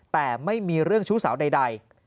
แต่ไม่มีเรื่องชู้สาวใด